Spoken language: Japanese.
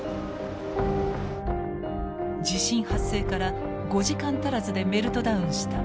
地震発生から５時間足らずでメルトダウンした１号機。